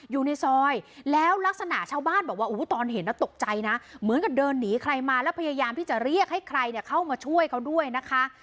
อยู่ในซอยแล้วลักษณะชาวบ้านบอกว่าตอนเห็นแล้วตกใจนะเหมือนกับเดินหนีใครมาแล้วพยายามที่จะเรียกให้ใครเข้ามาช่วยเขาด้วยนะคะ